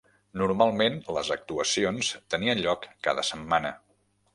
Normalment, les actuacions tenien lloc cada setmana.